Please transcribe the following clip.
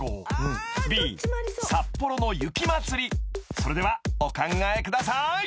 ［それではお考えください］